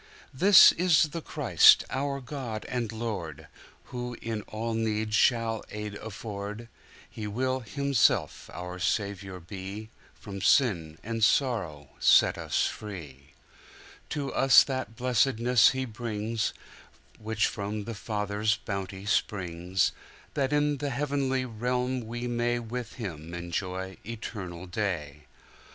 This is the Christ, our God and Lord, Who in all need shall aid afford:He will Himself our Saviour be, From sin and sorrow set us free. To us that blessedness He brings, Which from the Father's bounty springs:That in the heavenly realm we mayWith Him enjoy eternal day.